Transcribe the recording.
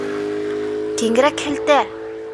Киңерәк һелтә!